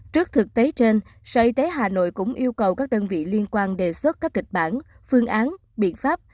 trước thực tế trên sở y tế hà nội cũng yêu cầu các đơn vị liên quan đề xuất các kịch bản phương án biện pháp